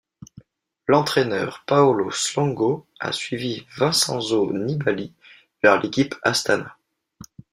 L'entraîneur Paolo Slongo a suivi Vincenzo Nibali vers l'équipe Astana.